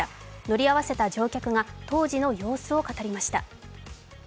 乗り合わせた乗客が当時の様子を語りました。